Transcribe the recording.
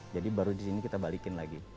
jadi baru disini kita balikin lagi